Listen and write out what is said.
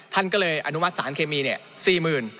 ท่านก็เลยอนุมัติสารเคมีเนี่ย๔๐๐๐๐